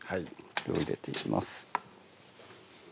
これを入れていきます